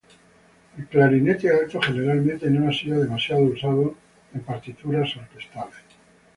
El clarinete alto generalmente no ha sido demasiado usado en partituras orquestales.